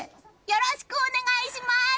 よろしくお願いします！